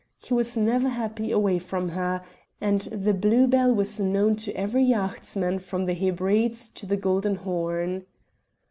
He was never happy away from her, and the Blue Bell was known to every yachtsman from the Hebrides to the Golden Horn.